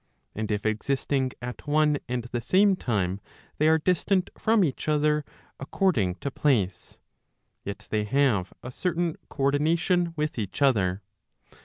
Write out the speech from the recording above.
And if existing at one and the same time they are distant from each other according to place, yet they have a certain co ordination with each other.